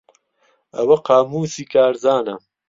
ئەوە قامووسی کارزانە.